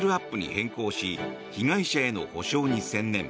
変更し被害者への補償に専念。